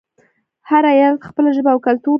هر ایالت خپله ژبه او کلتور لري.